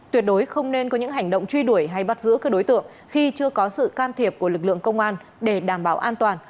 tuyệt đối không nên có những hành động truy đuổi hay bắt giữ các đối tượng khi chưa có sự can thiệp của lực lượng công an để đảm bảo an toàn